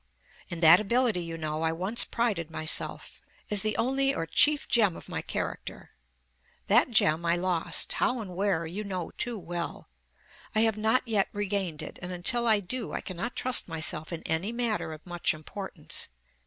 In that ability you know I once prided myself, as the only or chief gem of my character; that gem I lost, how and where you know too well. I have not yet regained it; and until I do I cannot trust myself in any matter of much importance.